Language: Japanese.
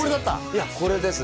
いやこれです